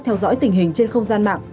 theo dõi tình hình trên không gian mạng